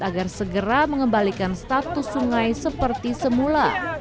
agar segera mengembalikan status sungai seperti semula